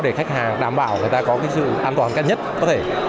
để khách hàng đảm bảo người ta có sự an toàn nhất có thể